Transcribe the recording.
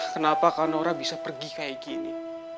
kenapa kak naura bisa pergi kayak gini